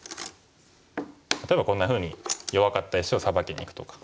例えばこんなふうに弱かった石をサバきにいくとか。